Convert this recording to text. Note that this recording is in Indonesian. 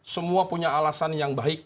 semua punya alasan yang baik